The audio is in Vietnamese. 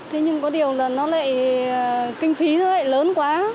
thế nhưng có điều là nó lại kinh phí rất là lớn quá